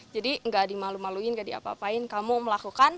jadi enggak dimalu maluin enggak diapa apain kamu melakukan